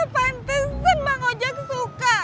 pantesan bang hojang suka